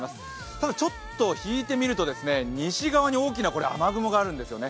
ただ、ちょっと引いて見ると西側に大きな雨雲があるんですよね。